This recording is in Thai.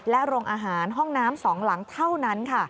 โรงอาหารห้องน้ำ๒หลังเท่านั้นค่ะ